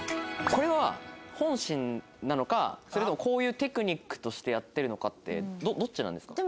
これは本心なのかそれともこういうテクニックとしてやってるのかってどっちなんですか？